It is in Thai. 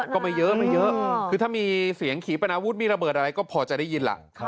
ก็ไม่เยอะไม่เยอะคือถ้ามีเสียงขี่ปนาวุธมีระเบิดอะไรก็พอจะได้ยินล่ะ